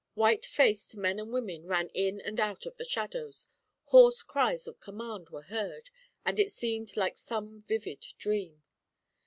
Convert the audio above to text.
White faced men and women ran in and out of the shadows, hoarse cries of command were heard, and it seemed like some vivid dream.